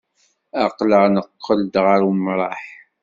Aql-aɣ neqqel-d ɣer umṛaḥ.